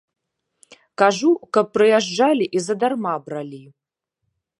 Кажу, каб прыязджалі і задарма бралі.